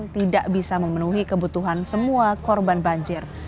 tidak bisa memenuhi kebutuhan semua korban banjir